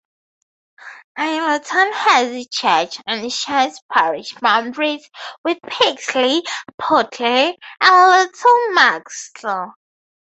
Aylton has a church and shares parish boundaries with Pixley, Putley and Little Marcle.